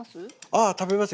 ああ食べますよ。